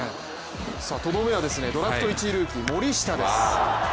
とどめはドラフト１位ルーキー・森下です